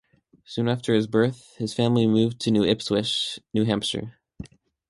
Soon after his birth his family moved to New Ipswich, New Hampshire.